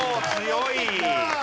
強い！